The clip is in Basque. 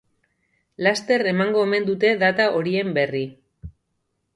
Laster emango omendute data horien berri.